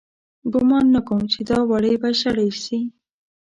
گومان نه کوم چې دا وړۍ به شړۍ سي